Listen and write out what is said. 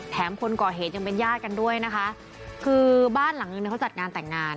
คนก่อเหตุยังเป็นญาติกันด้วยนะคะคือบ้านหลังนึงเนี่ยเขาจัดงานแต่งงาน